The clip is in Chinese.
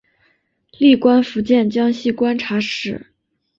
历官福建江西观察使。